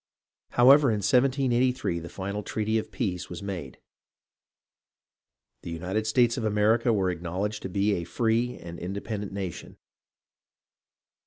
398 PEACE 399 However, in 1783 the final treaty of peace was made. The United States of America were acknowledged to be a free and independent nation.